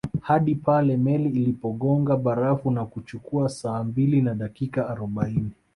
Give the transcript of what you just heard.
Hadi pale meli ilipogonga barafu na kuchukua saa mbili na dakika arobaini